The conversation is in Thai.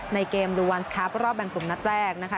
ในเกมดูวันสครับรอบแบ่งกลุ่มนัดแรกนะคะ